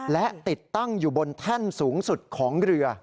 และติดตั้งอยู่บนแท่นสูงสุดของเรือ